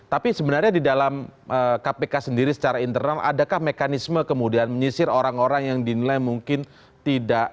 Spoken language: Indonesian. tapi sebenarnya di dalam kpk sendiri secara internal adakah mekanisme kemudian menyisir orang orang yang dinilai mungkin tidak